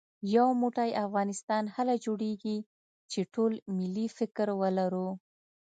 يو موټی افغانستان هله جوړېږي چې ټول ملي فکر ولرو